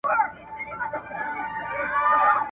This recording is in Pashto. د چا د سترگو د رڼا په حافظه کې نه يم